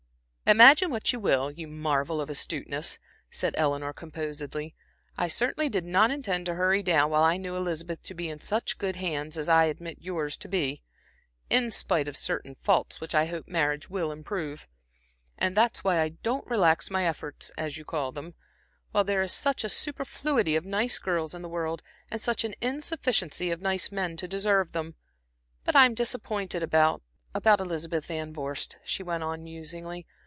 "Imagine what you will, you marvel of astuteness," said Eleanor, composedly. "I certainly did not intend to hurry down while I knew Elizabeth to be in such good hands, as I admit yours to be, in spite of certain faults which I hope marriage will improve. And that's why I don't relax my efforts, as you call them, while there is such a superfluity of nice girls in the world, and such an insufficiency of nice men to deserve them. But I'm disappointed about about Elizabeth Van Vorst," she went on, musingly.